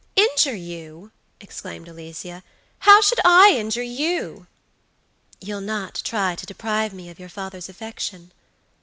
"Injure you!" exclaimed Alicia; "how should I injure you?" "You'll not try to deprive me of your father's affection?"